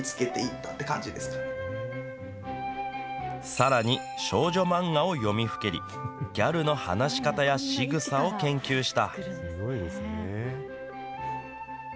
さらに、少女漫画を読みふけり、ギャルの話し方やしぐさを研究した。